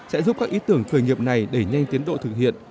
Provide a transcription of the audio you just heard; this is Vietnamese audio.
sẽ giúp các ý tưởng khởi nghiệp này đẩy nhanh tiến độ thực hiện